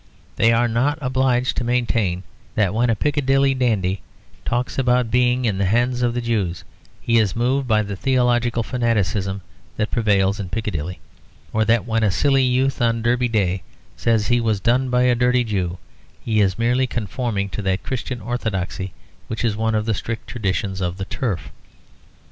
They are not obliged to maintain that when a Piccadilly dandy talks about being in the hands of the Jews he is moved by the theological fanaticism that prevails in Piccadilly; or that when a silly youth on Derby Day says he was done by a dirty Jew, he is merely conforming to that Christian orthodoxy which is one of the strict traditions of the Turf.